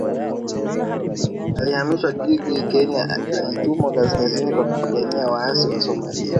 Alihamishiwa Gilgil Kenya alitumwa kaskazini kwa kupigania waasi Wasomalia